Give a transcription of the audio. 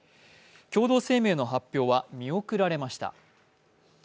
共同声明の発表は見送られました。